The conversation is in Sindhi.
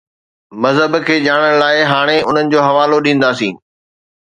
مذهب کي ڄاڻڻ لاءِ هاڻي انهن جو حوالو ڏينداسين.